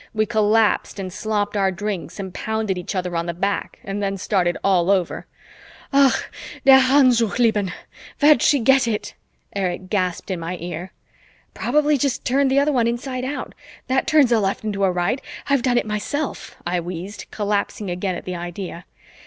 We collapsed and slopped our drinks and pounded each other on the back and then started all over. "Ach, der Handschuh, Liebchen! Where'd she get it?" Erich gasped in my ear. "Probably just turned the other one inside out that turns a left into a right I've done it myself," I wheezed, collapsing again at the idea.